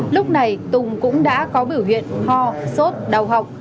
lúc này tùng cũng đã có biểu hiện ho sốt đau họng